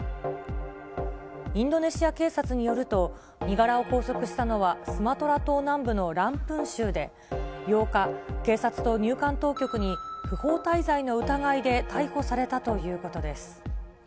インドネシア警察によると、身柄を拘束したのは、スマトラ島南部のランプン州で、８日、警察と入管当局に不法滞在の疑いで逮捕されたということです。